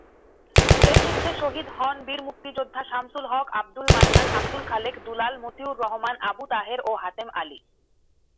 এ যুদ্ধে শহীদ হন বীর মুক্তিযোদ্ধা শামসুল হক, আব্দুল মান্নান, আব্দুল খালেক, দুলাল, মতিউর রহমান, আবু তাহের ও হাতেম আলী।